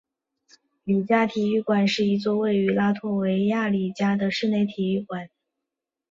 里加体育馆是一座位于拉脱维亚里加的室内体育馆。